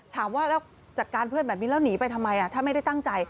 ถามว่าแล้วจัดการเพื่อนแบบนี้แล้วหนีไปทำไมถ้าไม่ได้ตั้งใจ